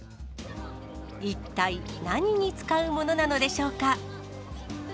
一体何に使うものなのでしょうか。